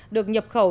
được nhập khẩu